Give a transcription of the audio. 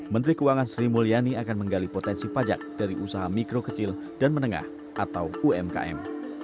menteri keuangan sri mulyani akan menggali potensi pajak dari usaha mikro kecil dan menengah atau umkm